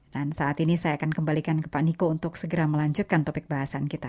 dan saat ini saya akan kembalikan ke pak niko untuk segera melanjutkan topik bahasan kita